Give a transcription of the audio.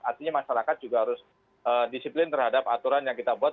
artinya masyarakat juga harus disiplin terhadap aturan yang kita buat